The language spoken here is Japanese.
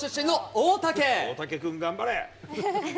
大竹君頑張れ。